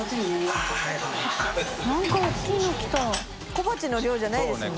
小鉢の量じゃないですよね。